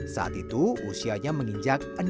saat itu usianya menginjak enam belas tahun